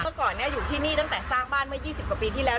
เมื่อก่อนอยู่ที่นี่ตั้งแต่สร้างบ้านเมื่อ๒๐กว่าปีที่แล้ว